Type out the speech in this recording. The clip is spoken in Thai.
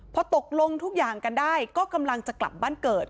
พอตกลงทุกอย่างกันได้ก็กำลังจะกลับบ้านเกิด